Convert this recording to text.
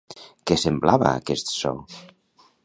Què semblava aquest so?